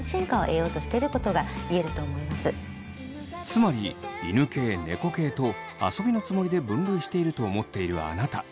つまり犬系・猫系と遊びのつもりで分類していると思っているあなた。